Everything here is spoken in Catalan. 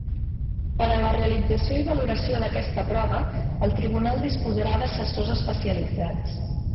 Per a la realització i valoració d'aquesta prova el Tribunal disposarà d'assessors especialitzats.